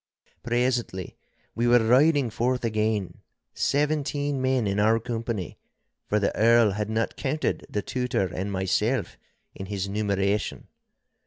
Presently we were riding forth again, seventeen men in our company, for the Earl had not counted the Tutor and myself in his numeration.